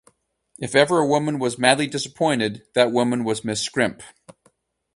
If ever a woman was madly disappointed, that woman was Miss Scrimp.